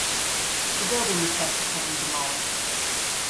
The building was subsequently demolished.